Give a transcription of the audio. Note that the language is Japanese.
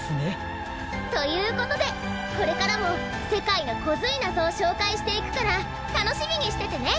ということでこれからもせかいのコズいなぞをしょうかいしていくからたのしみにしててね！